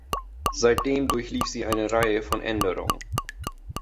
Seitdem durchlief sie eine Reihe von Änderungen.